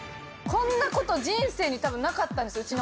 こんなこと人生に多分なかったんですよ